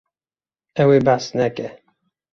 Ew ê behs neke.